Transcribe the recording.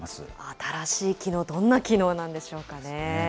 新しい機能、どんな機能なんでしょうかね。